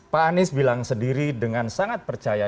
pak anies bilang sendiri dengan sangat percaya